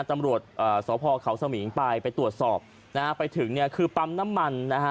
ตำรวจสพเขาสมิงไปไปตรวจสอบนะฮะไปถึงเนี่ยคือปั๊มน้ำมันนะฮะ